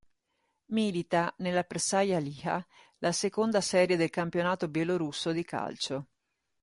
Milita nella Peršaja Liha, la seconda serie del campionato bielorusso di calcio.